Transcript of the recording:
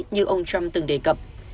như ông trump từng đề cập